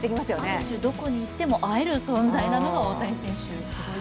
ある種、どこに行っても会える存在なのが大谷選手。